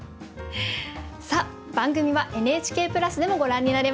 さあ番組はＮＨＫプラスでもご覧になれます。